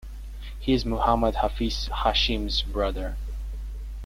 He is Muhammad Hafiz Hashim's brother.